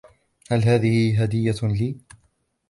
هل هذهِ هدية لي ؟